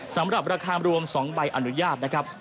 สำหรับราคารวม๒ใบอนุญาตนะครับ